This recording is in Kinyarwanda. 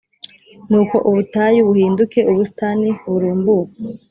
Nuko ubutayu buhinduke ubusitani burumbuka,